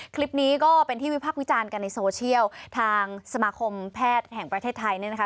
คลิปนี้ก็เป็นที่วิพักษ์วิจารณ์กันในโซเชียลทางสมาคมแพทย์แห่งประเทศไทยเนี่ยนะคะ